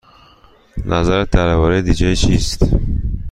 نظرت درباره دی جی چیست؟